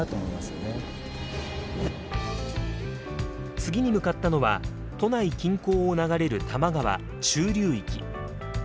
次に向かったのは都内近郊を流れる多摩川中流域。